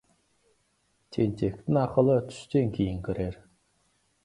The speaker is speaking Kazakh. Тентектің ақылы түстен кейін кірер.